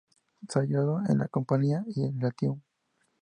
Se han hallado en la Campania y el Latium.